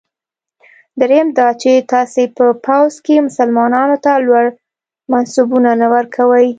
دریم دا چې تاسي په پوځ کې مسلمانانو ته لوړ منصبونه نه ورکوی.